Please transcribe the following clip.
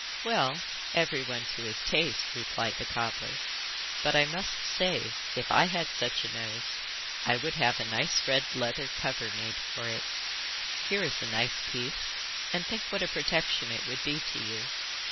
'Well, everyone to his taste,' replied the cobbler; 'but I must say if I had such a nose I would have a nice red leather cover made for it. Here is a nice piece; and think what a protection it would be to you.